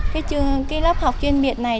cái lớp học chuyên biệt này